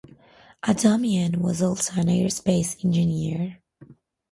Adomian was also an aerospace engineer.